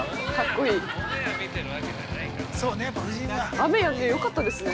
◆雨やんでよかったですね。